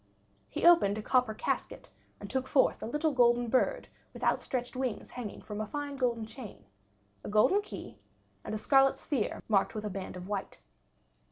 He opened a copper casket and took forth a little golden bird with outstretched wings hanging from a fine golden chain, a golden key, and a scarlet sphere marked with a band of white.